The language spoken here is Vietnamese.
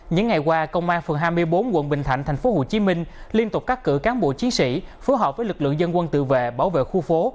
những ngày qua công an phường hai mươi bốn quận bình thạnh tp hcm liên tục cắt cử cán bộ chiến sĩ phối hợp với lực lượng dân quân tự vệ bảo vệ khu phố